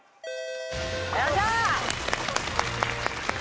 よっしゃー！